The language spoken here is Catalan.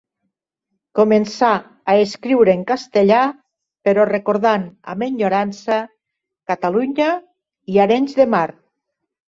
Començà a escriure en castellà però recordant amb enyorança Catalunya i Arenys de Mar.